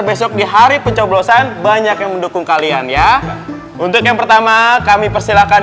besok di hari pencoblosan banyak yang mendukung kalian ya untuk yang pertama kami persilakan